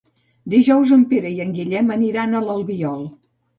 Dijous en Pere i en Guillem aniran a l'Albiol.